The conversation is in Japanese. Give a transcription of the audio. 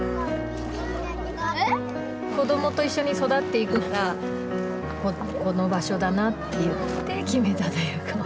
子どもと一緒に育っていくならこの場所だなっていって決めたというか。